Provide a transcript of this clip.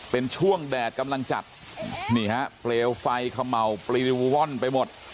เป็นช่วงแดดกำลังจัดเปลวไฟเขาเหมาเปลี่ยวว่อนไปหมด